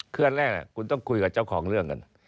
คืออันแรกคุณต้องคุยกับเจ้าของเรื่องกัน